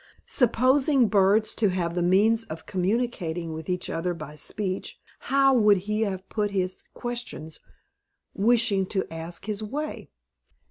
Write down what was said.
Supposing birds to have means of communicating with each other by speech, how would he have put his questions, wishing to ask his way?